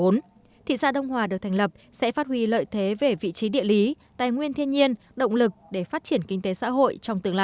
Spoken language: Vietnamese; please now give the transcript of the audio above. thị xã đông hòa được thành lập sẽ phát huy lợi thế về vị trí địa lý tài nguyên thiên nhiên động lực để phát triển kinh tế xã hội trong tương lai